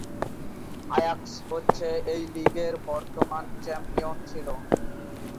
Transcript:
Ajax হচ্ছে এই লীগের বর্তমান চ্যাম্পিয়ন ছিল।